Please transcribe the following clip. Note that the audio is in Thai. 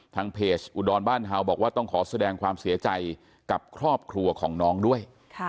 ทางเพจอุดรบ้านฮาวบอกว่าต้องขอแสดงความเสียใจกับครอบครัวของน้องด้วย